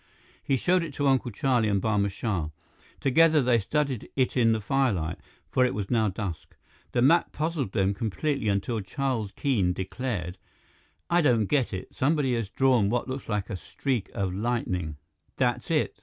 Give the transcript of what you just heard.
He showed it to Uncle Charlie and Barma Shah. Together, they studied it in the firelight, for it was now dusk. The map puzzled them completely until Charles Keene declared: "I don't get it. Somebody has drawn what looks like a streak of lightning " "That's it!